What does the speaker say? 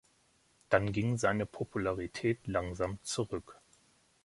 Dann ging seine Popularität langsam zurück.